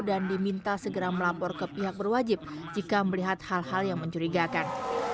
dan diminta segera melapor ke pihak berwajib jika melihat hal hal yang mencurigakan